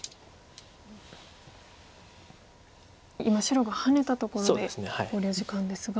今白がハネたところで考慮時間ですが。